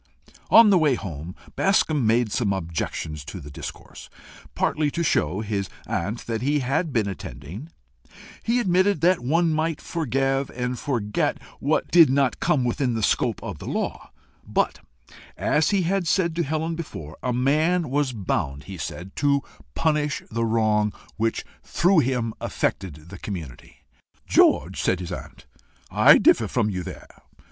On the way home, Bascombe made some objections to the discourse, partly to show his aunt that he had been attending. He admitted that one might forgive and forget what did not come within the scope of the law, but, as he had said to Helen before, a man was bound, he said, to punish the wrong which through him affected the community. "George," said his aunt, "I differ from you there.